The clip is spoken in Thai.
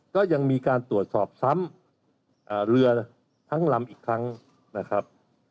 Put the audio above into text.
ก็ยังมีการตรวจสอบซ้ำเรือทั้งลำอีกครั้งนะครับ